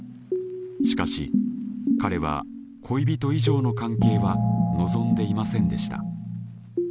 しかし彼は恋人以上の関係は望んでいませんでした。